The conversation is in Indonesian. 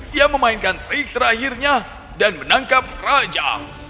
dia memainkan trik terakhirnya dan menangkap raja